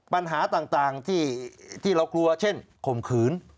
ปัญหาต่างที่เรากลัวเช่นข่มขืน